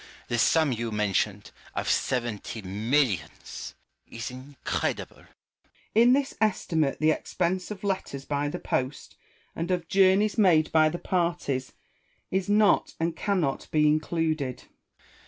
The sum you mentioned, of seventy millions, is incredible. Malesherhes. In this estimate the expense of letters by the post, and of journeys made by the parties, is not and cannot be included.